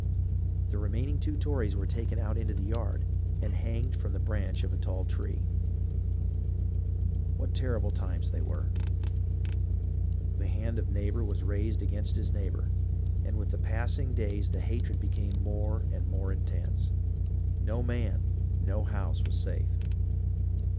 The remaining two Tories were taken out into the yard and hanged from the branch of a tall tree. What terrible times they were ! The hand of neighbour was raised against his neighbour, and with the passing days the hatred became more and more intense. No man, no house, was safe.